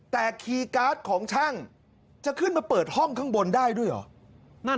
แต่คีย์การ์ดของช่างจะขึ้นมาเปิดห้องข้างบนได้ด้วยเหรอ